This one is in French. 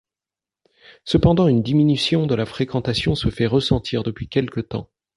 Cependant, une diminution de la fréquentation se fait ressentir depuis quelque temps.